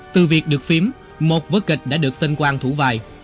từ việc được phím một vớt kịch đã được tên quang thủ vai